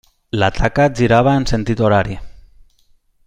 La taca girava en sentit horari.